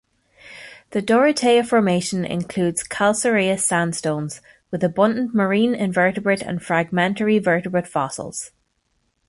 The Dorotea Formation includes calcareous sandstones with abundant marine invertebrate and fragmentary vertebrate fossils.